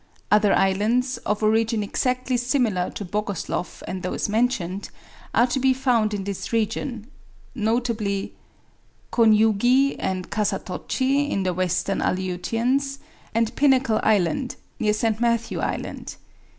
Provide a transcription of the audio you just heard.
Other islands, of origin exactly similar to Bogosloff and those mentioned, are to be found in this region, notably Koniugi and Kasatochi, in the western Aleutians, and Pinnacle Island, near St. Matthew Island.